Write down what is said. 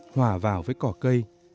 hòa vào với cỏ cây